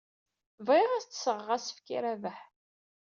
Bɣiɣ ad as-d-sɣeɣ asefk i Rabaḥ.